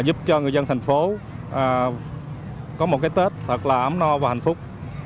giúp cho người dân thành phố có một cái tết thật là ấm no và hạnh phúc